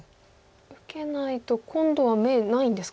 受けないと今度は眼ないんですか